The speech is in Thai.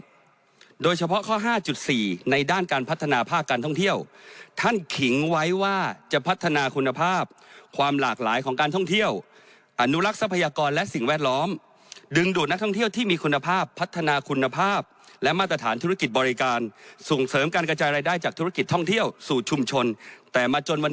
โดยเฉพาะข้อห้าจุดสี่ในด้านการพัฒนาภาคการท่องเที่ยวท่านขิงไว้ว่าจะพัฒนาคุณภาพความหลากหลายของการท่องเที่ยวอนุรักษ์ทรัพยากรและสิ่งแวดล้อมดึงดูดนักท่องเที่ยวที่มีคุณภาพพัฒนาคุณภาพและมาตรฐานธุรกิจบริการส่งเสริมการกระจายรายได้จากธุรกิจท่องเที่ยวสู่ชุมชนแต่มาจนวัน